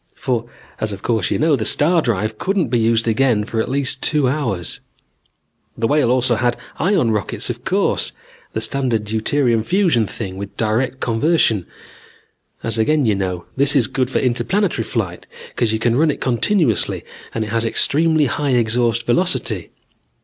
For, as of course you know, the star drive couldn't be used again for at least two hours. "The Whale also had ion rockets of course, the standard deuterium fusion thing with direct conversion. As again you know, this is good for interplanetary flight because you can run it continuously and it has extremely high exhaust velocity.